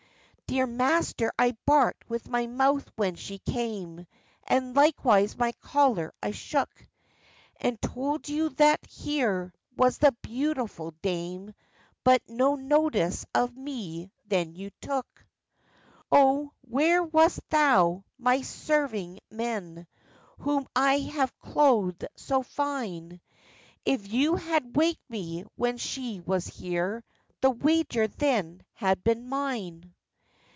'Dear master, I barked with my mouth when she came, And likewise my collar I shook; And told you that here was the beautiful dame, But no notice of me then you took.' 'O! where wast thou, my servingman, Whom I have clothèd so fine? If you had waked me when she was here, The wager then had been mine.